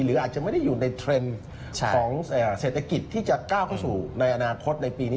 หรืออาจจะไม่ได้อยู่ในเทรนด์ของเศรษฐกิจที่จะก้าวเข้าสู่ในอนาคตในปีนี้